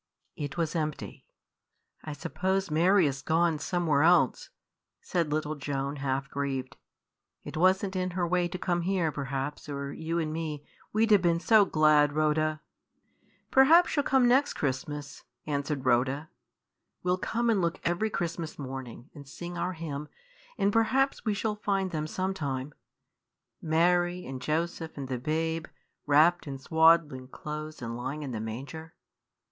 It was empty. "I suppose Mary is gone somewhere else," said little Joan, half grieved; "it was n't in her way to come here, p'rhaps, or you and me we'd have been so glad, Rhoda!" "Perhaps she 'll come next Christmas," answered Rhoda. "We 'll come and look every Christmas morning, and sing our hymn, and perhaps we shall find them some time Mary, and Joseph, and the babe, wrapped in swaddling clothes and lying in the manger.